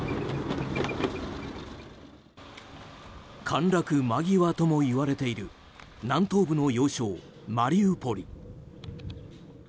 陥落間際ともいわれている南東部の要衝マリウポリ。